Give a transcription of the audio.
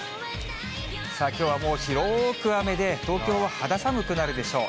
さあ、きょうはもう広く雨で、東京は肌寒くなるでしょう。